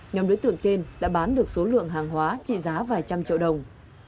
nhóm đối tượng trên đã bán được số lượng hàng hóa trị giá vài trăm triệu đồng